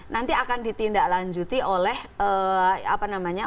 nanti akan ditindaklanjuti oleh apa namanya